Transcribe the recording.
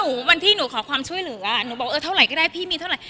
วันที่หนูขอความช่วยเหลือหนูบอกเออเท่าไหร่ก็ได้พี่มีเท่าไหร